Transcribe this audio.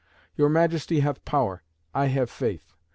"Your Majesty hath power; I have faith.